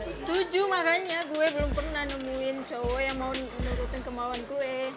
setuju makanya gue belum pernah nemuin cowok yang mau menurutkan kemauan gue